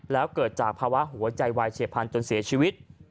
แล้วเกิดจากภาวะหัวใจวายเฉียบพันธุจนเสียชีวิต